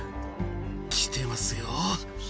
きてますよ